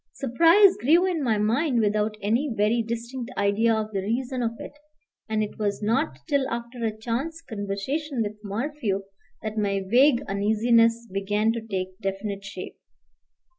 Surprise grew in my mind without any very distinct idea of the reason of it; and it was not till after a chance conversation with Morphew that my vague uneasiness began to take definite shape.